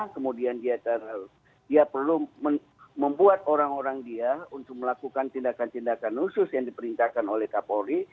kemudian dia terlalu dia perlu membuat orang orang dia untuk melakukan tindakan tindakan khusus yang diperintahkan oleh kapolri